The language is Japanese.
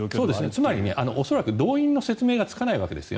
つまり恐らく動員の説明がつかないわけです。